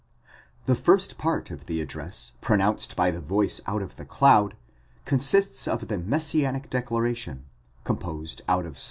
The first part of the address pronounced by the voice out of the cloud, consists of the messianic declar ation, composed out of Ps.